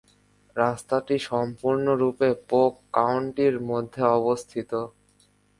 রাস্তাটি সম্পূর্ণরূপে পোক কাউন্টির মধ্যে অবস্থিত।